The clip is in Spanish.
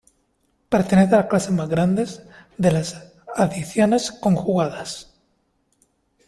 Pertenece a la clase más grande de las adiciones conjugadas.